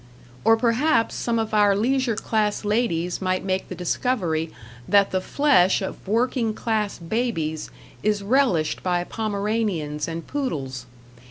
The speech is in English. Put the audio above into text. #" Or perhaps some of our leisure class ladies might make the discovery that the flesh of working class babies is relished by pomeranians and poodles.